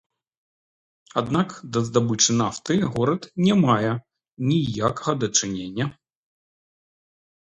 Аднак да здабычы нафты горад не мае ніякага дачынення.